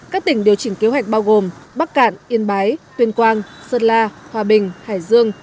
các tỉnh điều chỉnh kế hoạch bao gồm bắc cạn yên bái tuyên quang sơn la hòa bình hải dương